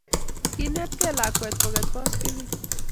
kiinetgei lakwet koket baskilit